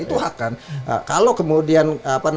itu hak kan kalau kemudian